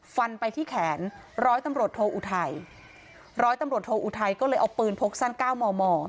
ฟันไปที่แขนร้อยตำรวจโทอุทัยร้อยตำรวจโทอุทัยก็เลยเอาปืนพกสั้นเก้ามอมอ